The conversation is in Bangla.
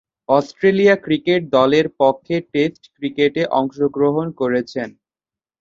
অস্ট্রেলিয়া ক্রিকেট দলের পক্ষে টেস্ট ক্রিকেটে অংশগ্রহণ করেছেন।